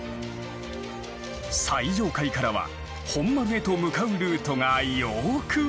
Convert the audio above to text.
最上階からは本丸へと向かうルートがよく見渡せる。